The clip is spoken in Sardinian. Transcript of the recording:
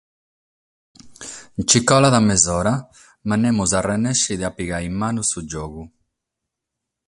Nche colat mesora, ma nemos resesset a pigare in manos su giogu.